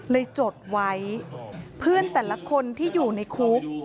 จดไว้เพื่อนแต่ละคนที่อยู่ในคุก